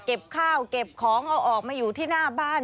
ข้าวเก็บของเอาออกมาอยู่ที่หน้าบ้าน